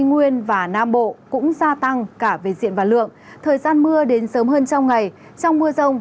tây nguyên và nam bộ cũng gia tăng cả về diện và lượng thời gian mưa đến sớm hơn trong ngày trong mưa rông